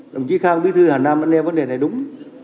đồng chí khang bí thư hà nam đã nêu vấn đề này đúng